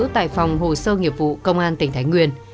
tại phòng hồ sơ nghiệp vụ công an tỉnh thái nguyên